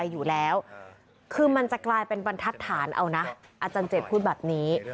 อยู่แล้วคือมันจะกลายเป็นบรรทัศน์เอานะอาจารย์เจ็ดพูดแบบนี้